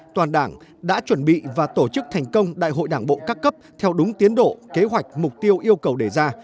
toàn đảng đã chuẩn bị và tổ chức thành công đại hội đảng bộ các cấp theo đúng tiến độ kế hoạch mục tiêu yêu cầu đề ra